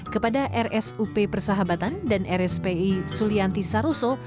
kepada rsup persahabatan dan rspi sulianti saroso